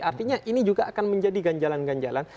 artinya ini juga akan menjadi ganjalan ganjalan